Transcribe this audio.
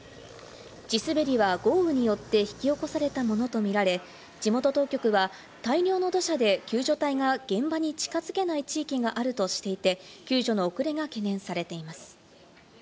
地滑りは豪雨によって引き起こされたものとみられ、地元当局は大量の土砂で、救助隊が現場に近づけない地域があるとしていて、救助の遅れが懸念されています。